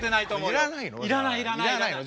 いらないの？